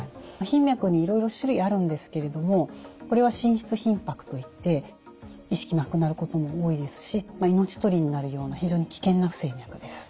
頻脈にいろいろ種類あるんですけれどもこれは心室頻拍といって意識なくなることも多いですし命取りになるような非常に危険な不整脈です。